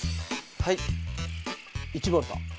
はい。